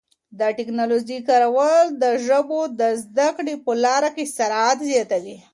د ټکنالوژۍ کارول د ژبو د زده کړې په لاره کي سرعت زیاتوي.